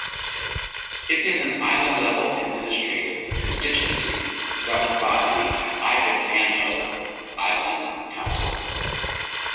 It is an island-level administrative constituency governed by the Ihavandhoo Island Council.